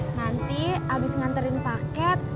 nanti abis nganterin paket